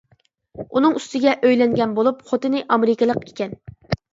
ئۇنىڭ ئۈستىگە، ئۆيلەنگەن بولۇپ، خوتۇنى ئامېرىكىلىق ئىكەن.